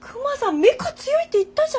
メカ強いって言ったじゃん。